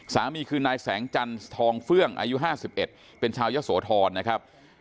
สามีคือนายแสงจันทองเฟื้องอายุห้าสิบเอ็ดเป็นชาวยสวทรนะครับ